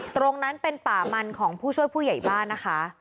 ตรงนั้นเป็นป่ามันของผู้ช่วยผู้ใหญ่บ้านนะคะ